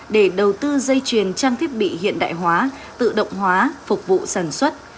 để đầu tư dây chuyền trang thiết bị hiện đại hóa tự động hóa phục vụ sản xuất